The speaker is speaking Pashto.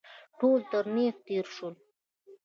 ټول تر تېغ تېر شول.